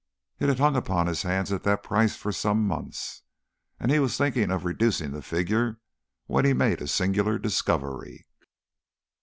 It had hung upon his hands at that price for some months, and he was thinking of "reducing the figure," when he made a singular discovery.